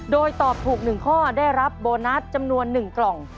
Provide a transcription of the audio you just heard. โดยตอบถูก๑ข้อได้รับโบนัสจำนวน๑กล่อง